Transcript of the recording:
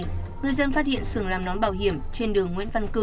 người dân phát hiện sừng làm nón bảo hiểm trên đường nguyễn văn cử